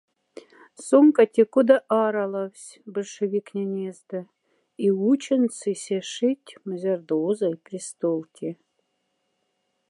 Сон кати-кода аралавсь большевикнень эзда и учендсы ся шить, мзярда озай престолти.